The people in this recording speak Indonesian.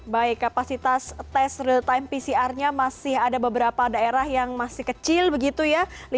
baik kapasitas tes real time pcr nya masih ada beberapa daerah yang masih kecil begitu ya